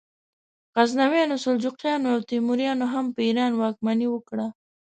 غزنویانو، سلجوقیانو او تیموریانو هم په ایران واکمني وکړه.